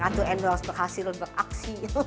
ratu endros berhasil beraksi